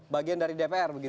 bagian dari dpr begitu